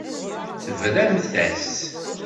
Tebramt-as.